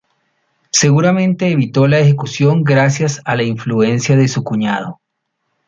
Seguramente evitó la ejecución gracias a la influencia de su cuñado.